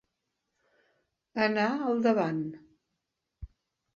Anar al davant.